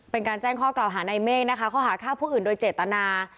เป็นการแจ้งข้อกล่าวหาในเมฆนะคะข้อหาฆ่าผู้อื่นโดยเจตนา